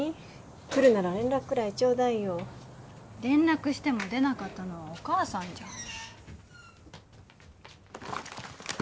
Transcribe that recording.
来るなら連絡くらいちょうだいよ連絡しても出なかったのはお母さんじゃん